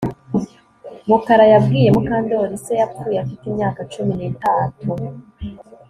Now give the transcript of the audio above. Mukara yabwiye Mukandoli se yapfuye afite imyaka cumi nitatu